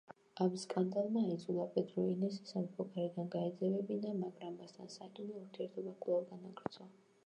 ამ სკანდალმა აიძულა პედრუ ინესი სამეფო კარიდან გაეძევებინა, მაგრამ მასთან საიდუმლო ურთიერთობა კვლავ განაგრძო.